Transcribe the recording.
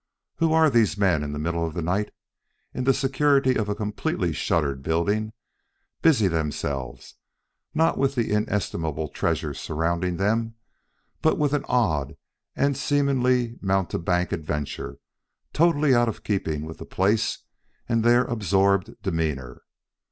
Who are these men who in the middle of the night, in the security of a completely shuttered building, busy themselves, not with the inestimable treasures surrounding them, but with an odd and seemingly mountebank adventure totally out of keeping with the place and their absorbed demeanor?